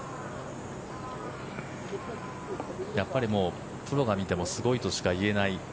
やっぱりプロが見てもすごいとしか言えない